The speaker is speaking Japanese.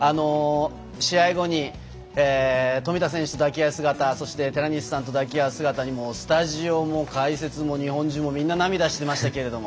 試合後に冨田選手と抱き合う姿そして寺西さんと抱き合う姿にスタジオも解説も日本中もみんな涙していましたけれども。